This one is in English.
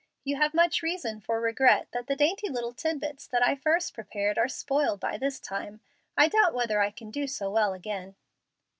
You have much reason for regret that the dainty little tidbits that I first prepared are spoiled by this time. I doubt whether I can do so well again."